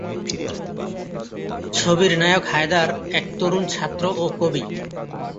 ছবির নায়ক হায়দার এক তরুণ ছাত্র ও কবি।